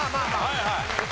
はいはい。